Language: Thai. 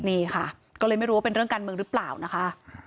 นี่ค่ะก็เลยไม่รู้ว่าเป็นเรื่องการเมืองหรือเปล่านะคะ